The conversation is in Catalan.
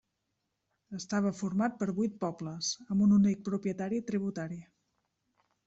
Estava format per vuit pobles amb un únic propietari tributari.